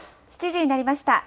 ７時になりました。